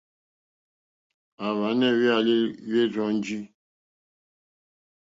À hwànɛ́ hwɛ̀álí hwɛ́ rzɔ́njì.